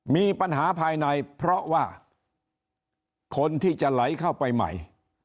มีปัญหาภายในเพราะว่าคนที่จะไหลเข้าไปใหม่